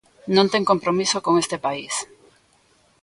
Non ten compromiso con este país.